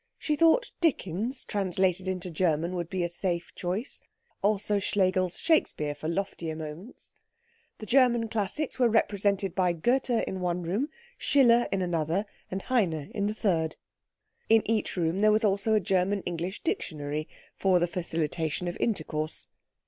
She thought Dickens translated into German would be a safe choice; also Schlegel's Shakespeare for loftier moments. The German classics were represented by Goethe in one room, Schiller in another, and Heine in the third. In each room also there was a German English dictionary, for the facilitation of intercourse.